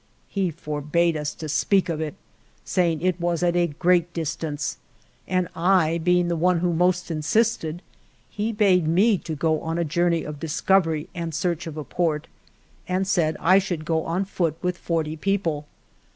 He forbade us to speak of it, saying it was at a great distance, and I being the one who most insisted, he bade me to go on a journey of discovery and search of a port, and said I should go on foot with forty peo ple.